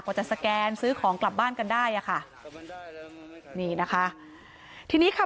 กว่าจะสแกนซื้อของกลับบ้านกันได้นี่นะคะทีนี้ค่ะ